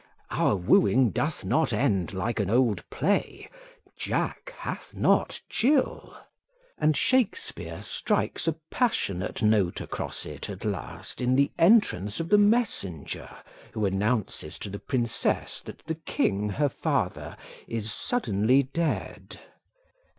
Our wooing doth not end like an old play; Jack hath not Jill: and Shakespeare strikes a passionate note across it at last, in the entrance of the messenger, who announces to the princess that the king her father is suddenly dead.